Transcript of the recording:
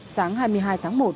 sáng hai mươi hai tháng một